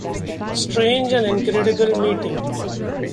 Strange and incredible meeting!